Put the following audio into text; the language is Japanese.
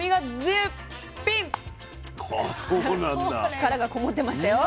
力がこもってましたよ。